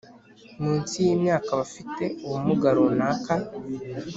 Munsi y imyaka bafite ubumuga runaka